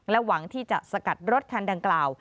ระหว่างที่จะสกัดรถทางดังกล่าว